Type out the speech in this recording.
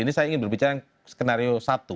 ini saya ingin berbicara yang skenario satu